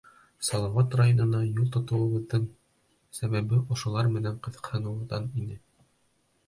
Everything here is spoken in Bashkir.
Салауат районына юл тотоуыбыҙҙың сәбәбе ошолар менән ҡыҙыҡһыныуҙан ине.